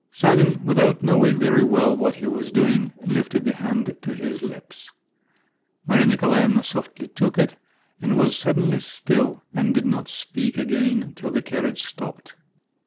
Sanin, without knowing very well what he was doing, lifted the hand to his lips. Maria Nikolaevna softly took it, and was suddenly still, and did not speak again till the carriage stopped.